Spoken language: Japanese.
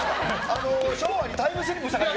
昭和にタイムスリップしたかと。